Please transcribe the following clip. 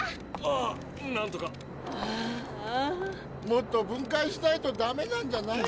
もっと分解しないとダメなんじゃない？